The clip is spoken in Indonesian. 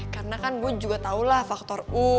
karena kan gue juga tau lah faktor u